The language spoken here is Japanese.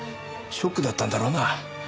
ショックだったんだろうな。